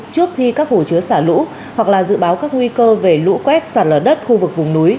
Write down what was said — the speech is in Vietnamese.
trước khi các hồ chứa xả lũ hoặc là dự báo các nguy cơ về lũ quét sạt lở đất khu vực vùng núi